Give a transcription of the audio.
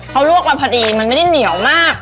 เขาลวกมาพอดีมันไม่ได้เหนียวมาก